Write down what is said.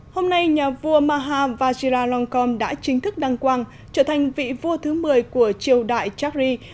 hôm nay nhà vua maha vajiralongkorn đã chính thức đăng quang trở thành vị vua thứ một mươi của triều đại chakri